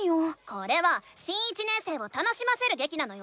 これは新１年生を楽しませるげきなのよ！